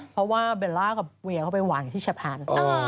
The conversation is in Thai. เพราะว่าเบลล่ากับเวียเขาไปวางอยู่ที่สะพาน